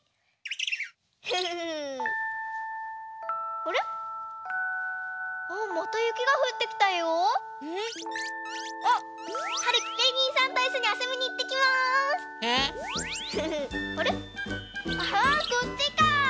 あれっ？あこっちか！